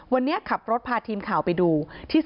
วันนี้ขับรถพาทีมข่าวไปดูที่